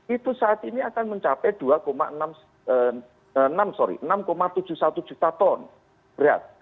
itu saat ini akan mencapai dua enam sorry enam tujuh puluh satu juta ton berat